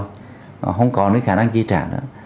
họ không còn khả năng chi trả nữa